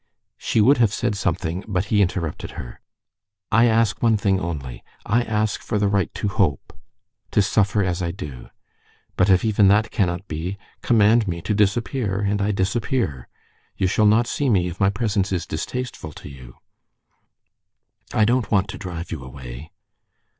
She would have said something, but he interrupted her. "I ask one thing only: I ask for the right to hope, to suffer as I do. But if even that cannot be, command me to disappear, and I disappear. You shall not see me if my presence is distasteful to you." "I don't want to drive you away."